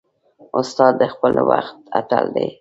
استاد د خپل وخت اتل دی.